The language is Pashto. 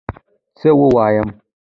څه ووایم